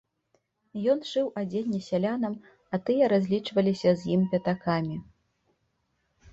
Ён шыў адзенне сялянам, а тыя разлічваліся з ім пятакамі.